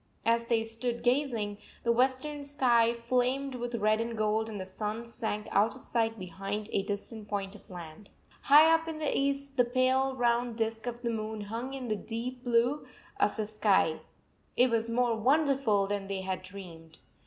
As they stood gazing, the western sky flamed with red and gold and the sun sank out of sight behind a distant point of land. High up in the east the pale round disk of the moon hung in the deep blue of the 101 sky. It was more wonderful than they had dreamed.